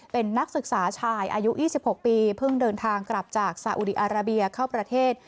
เป็นนักศึกษาชายอายุ๒๖ปีเพิ่งเดินทางกลับจากสาอุดีอาราเบียเข้าประเทศ